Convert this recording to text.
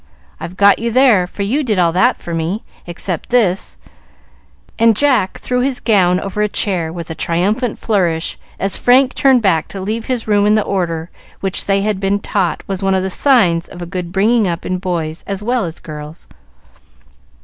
I've got you there, for you did all that for me, except this," and Jack threw his gown over a chair with a triumphant flourish as Frank turned back to leave his room in the order which they had been taught was one of the signs of a good bringing up in boys as well as girls.